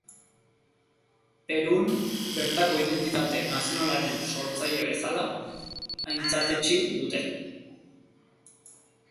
Perun, bertako identitate nazionalaren sortzaile bezala aintzatetsi dute.